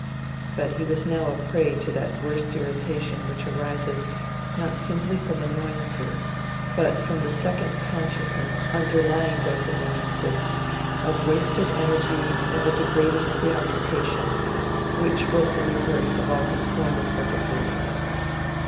But he was now a prey to that worst irritation which arises not simply from annoyances, but from the second consciousness underlying those annoyances, of wasted energy and a degrading preoccupation, which was the reverse of all his former purposes.